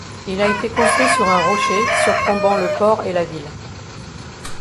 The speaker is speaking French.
Il a été construit sur un rocher surplombant le port et la ville.